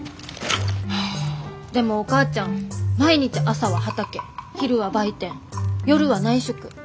でもお母ちゃん毎日朝は畑昼は売店夜は内職。